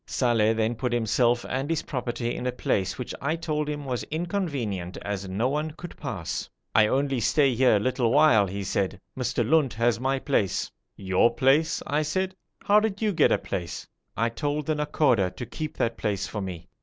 Saleh then put himself and his property in a place which I told him was inconvenient as no one could pass. 'I only stay here a little while,' he said. 'Mr. Lunt has my place.' 'Your place!' I said. 'How did you get a place?' 'I told the Nakhoda to keep that place for me.'